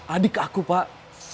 adik aku pak